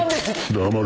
黙れ。